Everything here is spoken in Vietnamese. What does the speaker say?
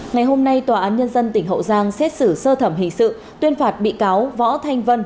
ngày hôm nay tòa án nhân dân tỉnh hậu giang xét xử sơ thẩm hình sự tuyên phạt bị cáo võ thanh vân